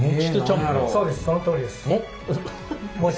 そうですそのとおりです。